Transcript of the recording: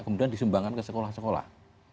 kemudian disumbangkan ke sekolah sekolah